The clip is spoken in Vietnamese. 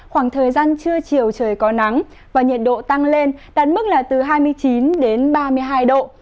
khoảng thời gian trưa chiều trời có nắng và nhiệt độ tăng lên đạt mức là từ hai mươi chín đến ba mươi hai độ